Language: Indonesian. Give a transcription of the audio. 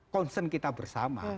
concern kita bersama